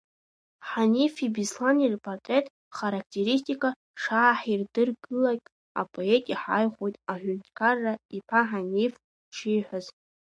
Ҳанифи Беслани рпатреҭ характеристикақәа шааҳирдырлак, апоет иҳаихәоит аҳәынҭқар-иԥа Ҳаниф дшиҳәаз.